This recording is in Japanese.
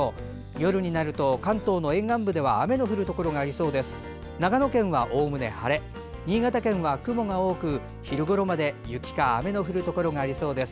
夜になると関東の沿岸部では雨の降るところがありそうです。